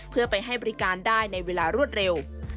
เพื่อไปให้บริการได้ในเวลารวดเร็ว